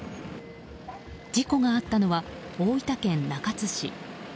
事故があったのは大分県中津市。